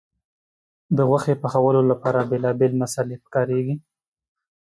د غوښې پخولو لپاره بیلابیل مسالې کارېږي.